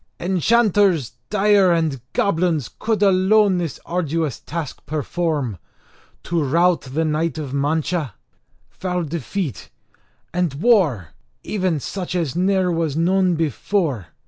Enchanters dire and goblins could alone this arduous task perform; to rout the knight of Mancha, foul defeat, and war, even such as ne'er was known before.